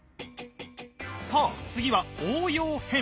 さあ次は応用編。